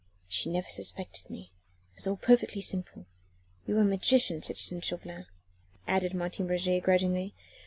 "She never suspected me. It was all perfectly simple. You are a magician, citizen Chauvelin," added Martin Roget grudgingly.